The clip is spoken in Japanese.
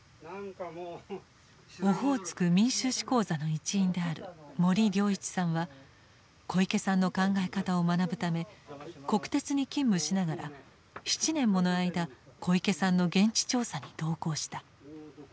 「オホーツク民衆史講座」の一員である森亮一さんは小池さんの考え方を学ぶため国鉄に勤務しながら７年もの間小池さんの現地調査に同行した。